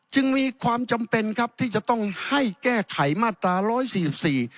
จึงมีความจำเป็นครับที่จะต้องให้แก้ไขมาตราร้อยสี่สิบสี่